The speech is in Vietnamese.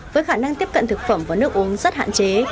với khả năng tiếp cận thực phẩm và nước uống rất hạn chế